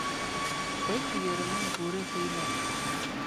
Эт йөрөмөн бүре һөймәҫ.